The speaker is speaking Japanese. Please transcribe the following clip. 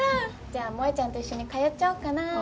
じゃあ萌ちゃんと一緒に通っちゃおうかな。